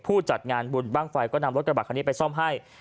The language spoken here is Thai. จัดงานบุญบ้างไฟก็นำรถกระบะคันนี้ไปซ่อมให้